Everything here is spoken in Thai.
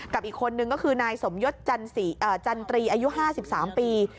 กับอีกคนนึงก็คือนายสมยศจันตรีอายุ๕๓ปี